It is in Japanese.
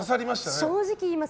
正直言います。